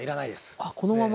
あっこのまま。